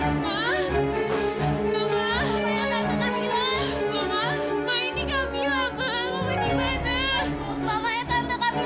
ya allah berdoa ya allah berdoa